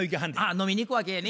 飲みに行くわけやね。